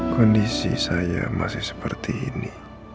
kondisi saya masih seperti ini